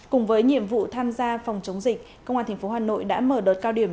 cùng với nhiệm vụ tham gia phòng chống dịch công an tp hà nội đã mở đợt cao điểm